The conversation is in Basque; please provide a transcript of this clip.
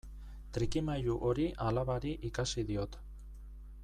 Trikimailu hori alabari ikasi diot.